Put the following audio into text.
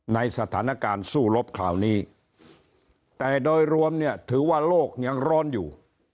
ในสถานการณ์สู้รบคราวนี้แต่โดยรวมเนี่ยถือว่าโลกยังร้อนอยู่